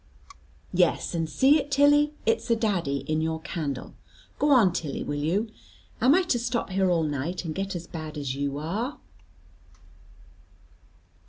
"Yes, and see it, Tilly; it's a daddy in your candle. Go on, Tilly, will you. Am I to stop here all night and get as bad as you are?"